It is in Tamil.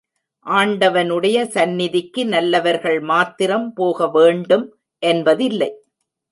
ஆண்டவனுடைய சந்நிதிக்கு நல்லவர்கள் மாத்திரம் போக வேண்டும் என்பதில்லை.